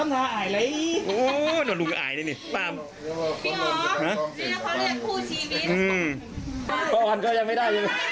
เห็นไหมขอบคุณค่ะ